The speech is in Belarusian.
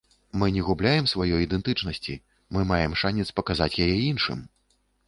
Мы не губляем сваёй ідэнтычнасці, мы маем шанец паказаць яе іншым.